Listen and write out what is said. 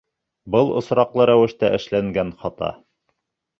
Был осраҡлы рәүештә эшләнгән хата.